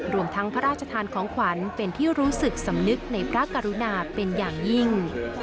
รวมทั้งพระราชทานของขวัญเป็นที่รู้สึกสำนึกในพระกรุณาเป็นอย่างยิ่ง